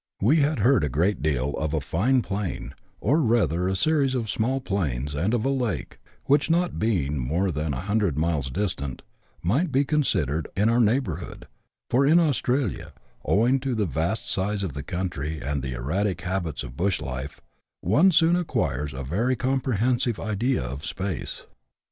"We had heard a great deal of a fine plain, or rather a series of small plains, and of a lake, which, not being more than a hundred miles distant, might be considered in our neighbour hood, for in Australia, owing to the vast size of the country and the erratic habits of bush life, one soon acquires a very compre hensive idea of space.